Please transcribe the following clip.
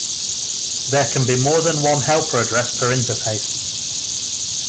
There can be more than one helper address per interface.